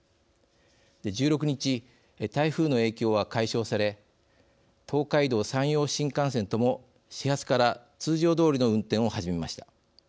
１６日台風の影響は解消され東海道・山陽新幹線とも始発から通常どおりの運転を始めました。